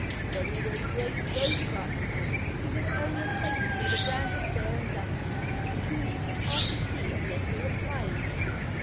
Then there were the great Road Grasshoppers who lived only in places where the ground was bare and dusty, and whom you could hardly see unless they were flying.